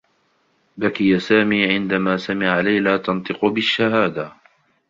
بكي سامي عندما سمع ليلى تنطق بالشّهادة.